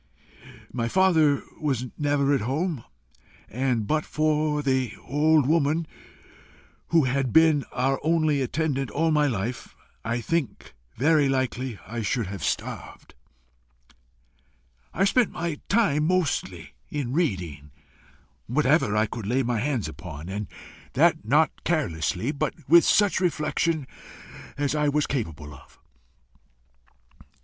My father was never at home, and but for the old woman who had been our only attendant all my life, I think very likely I should have starved. I spent my time mostly in reading whatever I could lay my hands upon and that not carelessly, but with such reflection as I was capable of.